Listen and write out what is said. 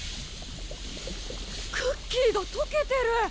クッキーが溶けてる！